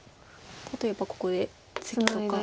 例えばここでツギとか。